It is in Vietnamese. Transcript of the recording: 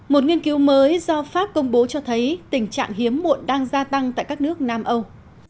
một nghiên cứu mới do pháp công bố cho thấy tình trạng hiếm muộn đang gia tăng tại các nước nam âu